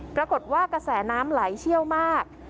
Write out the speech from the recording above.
ปรากฏว่ากระแสน้ำไหลเชี่ยวมาก